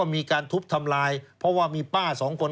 มีการทุบทำลายเพราะว่ามีป้าสองคน